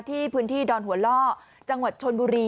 ที่พื้นที่ดอนหัวล่อจังหวัดชนบุรี